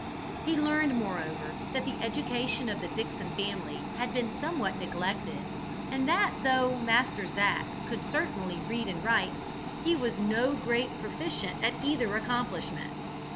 He learned, moreover, that the education of the Dickson family had been somewhat neglected, and that though Master Zac could certainly read and write, he was no great proficient at either accomplishment.